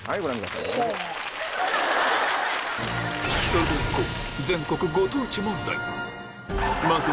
それではいこう！